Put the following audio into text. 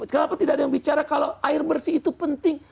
kenapa tidak ada yang bicara kalau air bersih itu penting